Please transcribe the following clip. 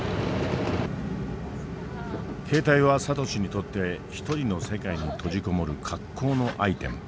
携帯はサトシにとって１人の世界に閉じ籠もる格好のアイテム。